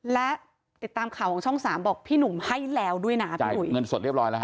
และติดตามข่าวของช่องสามบอกพี่หนุ่มให้แล้วด้วยนะพี่อุ๋ยเงินสดเรียบร้อยแล้วฮ